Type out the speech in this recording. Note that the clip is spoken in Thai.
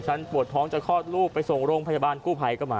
ปวดท้องจะคลอดลูกไปส่งโรงพยาบาลกู้ภัยก็มา